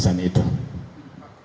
kalau pengenanya bukan cuma berkurang